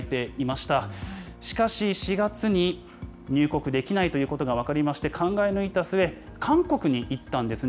しかし４月に、入国できないということが分かりまして、考え抜いた末、韓国に行ったんですね。